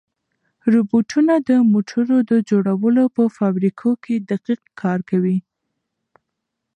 روبوټونه د موټرو د جوړولو په فابریکو کې دقیق کار کوي.